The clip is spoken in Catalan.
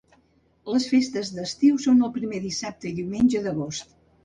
Les festes d'estiu són el primer dissabte i diumenge d'agost.